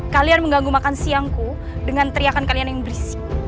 kalian mengganggu makan siangku dengan teriakan kalian yang bersih